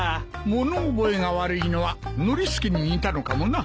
物覚えが悪いのはノリスケに似たのかもな。